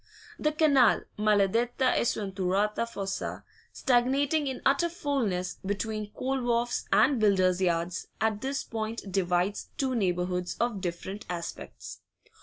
The canal maladetta e sventurata fossa stagnating in utter foulness between coal wharfs and builders' yards, at this point divides two neighbourhoods of different aspects.